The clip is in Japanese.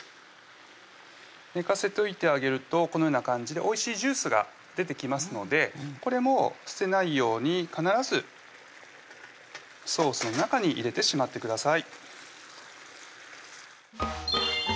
寝かせといてあげるとこのような感じでおいしいジュースが出てきますのでこれも捨てないように必ずソースの中に入れてしまってください